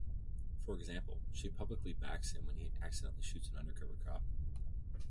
For example, she publicly backs him when he accidentally shoots an undercover cop.